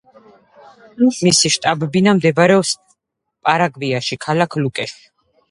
მისი შტაბ-ბინა მდებარეობს პარაგვაიში, ქალაქ ლუკეში.